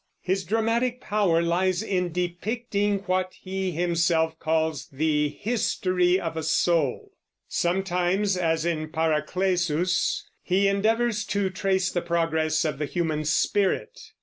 His dramatic power lies in depicting what he himself calls the history of a soul. Sometimes, as in Paracelsus, he endeavors to trace the progress of the human spirit.